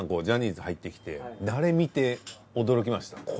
ジャニーズ入ってきて誰見て驚きました？